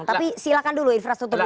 tapi silakan dulu infrastruktur dulu